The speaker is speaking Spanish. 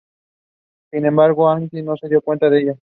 Sin embargo Agni, no se dio cuenta de ella.